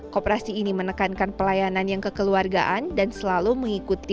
kooperasi ini menekankan pelayanan yang kekeluargaan dan selalu mengikuti